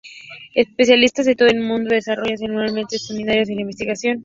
Especialistas de todo el mundo desarrollan semanalmente seminarios de investigación.